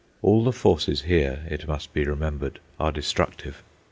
All the forces here, it must be remembered, are destructive.